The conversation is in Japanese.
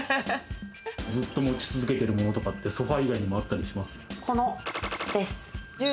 ずっと持ち続けてるものって、ソファ以外にあったりしますか？